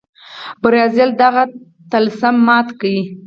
برازیل دغه طلسم مات کړ.